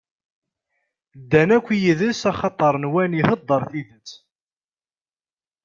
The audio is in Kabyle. Ddan akk yid-s axaṭer nwan iheddeṛ tidett.